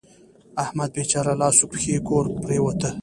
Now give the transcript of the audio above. احمد بېچاره لاس و پښې کور پروت دی.